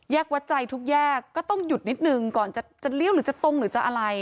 วัดใจทุกแยกก็ต้องหยุดนิดนึงก่อนจะเลี้ยวหรือจะตรงหรือจะอะไร